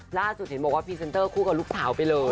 ล่าสุดเต็มพีเซนเตอร์คู่กับลูกสาวไปเลย